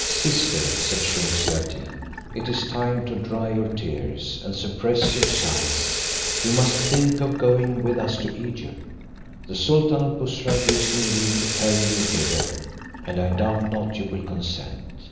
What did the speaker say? "Sister," said Shumse ad Deen, "it is time to dry your tears, and suppress your sighs; you must think of going with us to Egypt. The sultan of Bussorah gives me leave to carry you thither, and I doubt not you will consent.